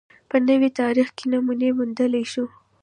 په نوي تاریخ کې نمونې موندلای شو